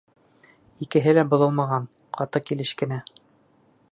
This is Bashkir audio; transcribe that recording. Икеһе лә боҙолмаған, ҡаты килеш кенә.